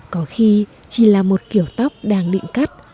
có khi chỉ là một kiểu tóc đang định cắt